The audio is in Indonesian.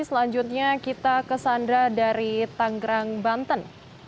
selanjutnya kita ke sandra dari tanggerang banten